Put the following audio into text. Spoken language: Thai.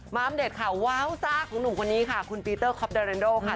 มาร์มเดชข่าวว้าวซ่าของหนูคนนี้ค่ะคุณปีเตอร์คอปเดอร์เนดโอค่ะ